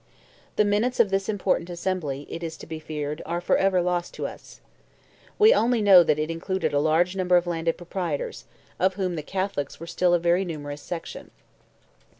The minutes of this important Assembly, it is to be feared, are for ever lost to us. We only know that it included a large number of landed proprietors, of whom the Catholics were still a very numerous section.